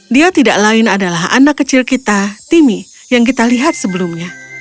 dia tidak lain adalah anak kecil kita timmy yang kita lihat sebelumnya